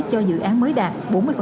cho dự án mới đạt bốn mươi